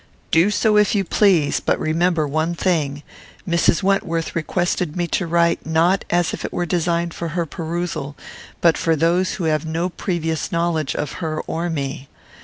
"Do so, if you please; but remember one thing. Mrs. Wentworth requested me to write not as if it were designed for her perusal, but for those who have no previous knowledge of her or of me.